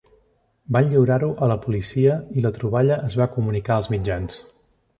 Van lliurar-ho a la policia i la troballa es va comunicar als mitjans.